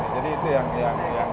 jadi itu yang kita